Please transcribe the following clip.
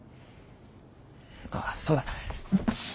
ああそうだ。